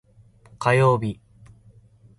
火曜日